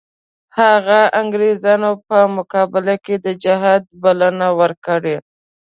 هغه انګریزانو په مقابل کې د جهاد بلنه ورکړه.